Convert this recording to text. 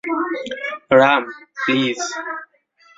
Ram, please.